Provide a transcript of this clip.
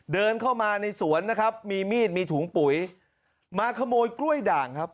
เดินเข้ามาในสวนนะครับมีมีดมีถุงปุ๋ยมาขโมยกล้วยด่างครับ